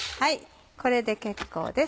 これで結構です。